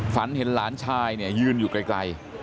ฝันเห็นหลานชายเนี่ยยืนอยู่ไกล